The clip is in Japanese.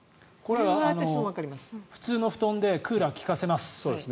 これは普通の布団でクーラーを利かせます。